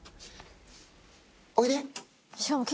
おいで。